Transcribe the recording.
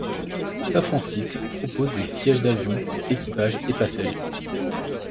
Safran Seats propose des sièges d’avion, pour équipage et passagers.